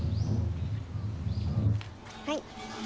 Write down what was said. はい。